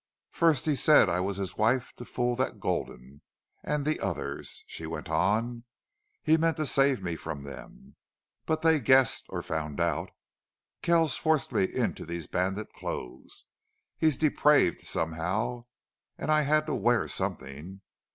"First he said I was his wife to fool that Gulden and the others," she went on. "He meant to save me from them. But they guessed or found out.... Kells forced me into these bandit clothes. He's depraved, somehow. And I had to wear something.